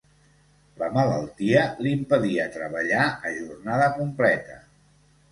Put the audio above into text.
La malaltia l'impedia treballar a jornada completa.